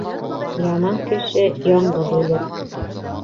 Яман кеше яңғыҙ үлер.